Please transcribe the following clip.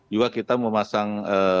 juga kita memasang